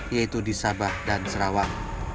yaitu di sabah dan sarawang